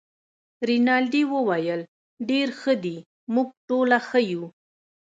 رینالډي وویل: ډیر ښه دي، موږ ټوله ښه یو.